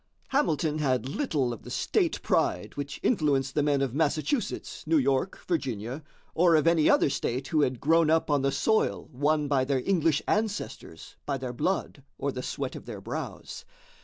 Hamilton had little of the state pride which influenced the men of Massachusetts, New York, Virginia, or of any other state who had grown up on the soil won by their English ancestors by their blood or the sweat of their brows.